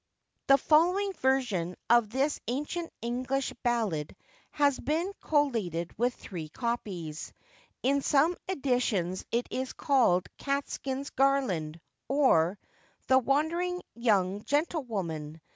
[THE following version of this ancient English ballad has been collated with three copies. In some editions it is called Catskin's Garland; or, the Wandering Young Gentlewoman.